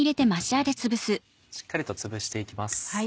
しっかりとつぶして行きます。